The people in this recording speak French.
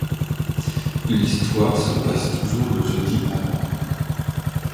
L'histoire se passe toujours le jeudi avant.